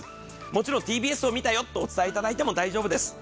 もちろんＴＢＳを見たよとお伝えいただいても結構です。